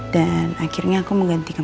dan akhirnya aku mau gantikan